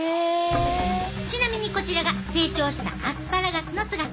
ちなみにこちらが成長したアスパラガスの姿。